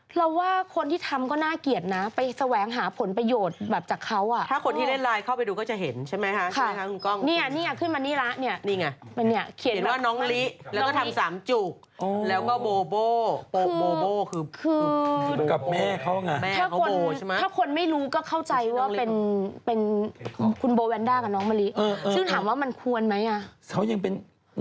อ๋อหมายถึงเราพูดเองกันทำเนอะโอ้โฮ